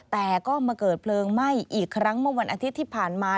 แต่ก็มาเกิดเพลิงไหม้อีกครั้งเมื่อวันอาทิตย์ที่ผ่านมา